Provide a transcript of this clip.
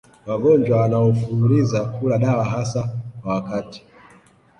Wagonjwa wanaofululiza kula dawa hasa kwa wakati